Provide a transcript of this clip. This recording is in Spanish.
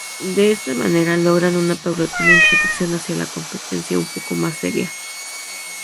De esta manera logran una paulatina introducción hacia la competencia un poco más seria.